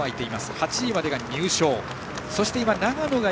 ８位までが入賞。